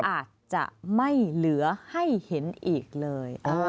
อาจจะไม่เหลือให้เห็นอีกเลย